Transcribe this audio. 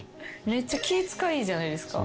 めっちゃ気ぃ使いじゃないですか？